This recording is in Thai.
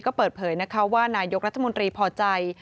ก็เปิดเผยนะคะว่านายกรัฐมนตรีพอใจ